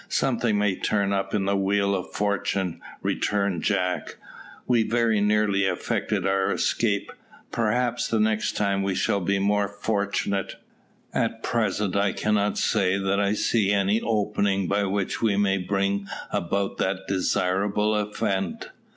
"Something may turn up in the wheel of Fortune," returned Jack. "We very nearly effected our escape; perhaps the next time we shall be more fortunate; at present I cannot say that I see any opening by which we may bring about that desirable event."